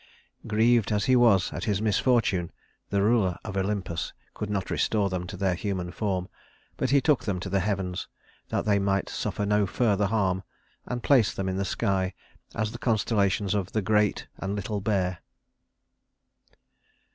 Grieved as he was at this misfortune, the ruler of Olympus could not restore them to their human form; but he took them to the heavens, that they might suffer no further harm, and placed them in the sky as the constellations of the Great and Little Bear.